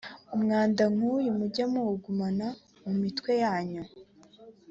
Umwanda nkuyu muge muwugumana mumitwe yanyu